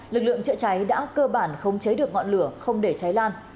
lực lượng chợ cháy đã cơ bản không chế được ngọn lửa không để cháy lan